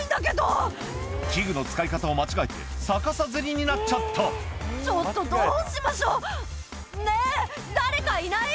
器具の使い方を間違えて逆さづりになっちゃった「ちょっとどうしましょう！」